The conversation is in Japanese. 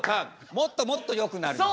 もっともっとよくなります。